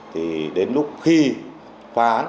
thì đến lúc khi phá án